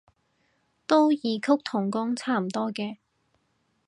都異曲同工差唔多嘅